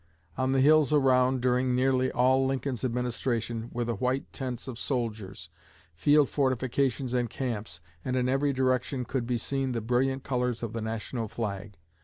On the hills around, during nearly all Lincoln's administration, were the white tents of soldiers, field fortifications and camps, and in every direction could be seen the brilliant colors of the national flag.